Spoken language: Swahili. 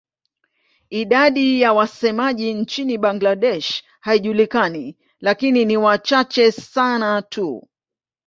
Idadi ya wasemaji nchini Bangladesh haijulikani lakini ni wachache sana tu.